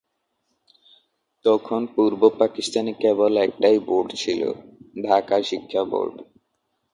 তখন পূর্ব পাকিস্তানে কেবল একটাই বোর্ড ছিল, ঢাকা শিক্ষা বোর্ড।